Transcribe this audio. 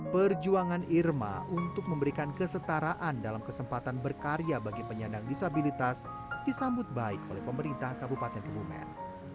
perjuangan irma untuk memberikan kesetaraan dalam kesempatan berkarya bagi penyandang disabilitas disambut baik oleh pemerintah kabupaten kebumen